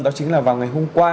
đó chính là vào ngày hôm qua